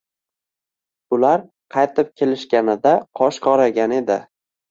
Ular qaytib kelishganida qosh qoraygan edi.